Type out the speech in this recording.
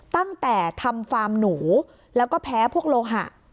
ตั้งแต่ทำฟาร์มหนูแล้วก็แพ้พวกโลหะ